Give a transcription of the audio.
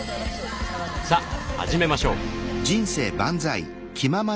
さあ始めましょう。